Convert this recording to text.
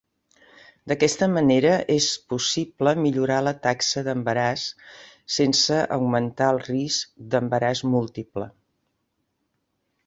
D'aquesta manera és possible millorar la taxa d'embaràs sense augmentar el risc d'embaràs múltiple.